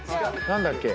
何だっけ？